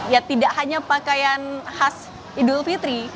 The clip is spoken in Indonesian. ya tidak hanya pakaian khas idul fitri